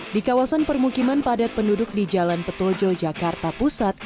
di kawasan permukiman padat penduduk di jalan petojo jakarta pusat